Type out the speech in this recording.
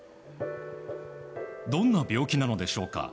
どんな病気なのでしょうか。